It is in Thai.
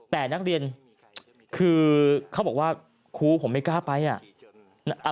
แต่นักเรียนคือเขาบอกว่าครูผมไม่กล้าไปอ่ะ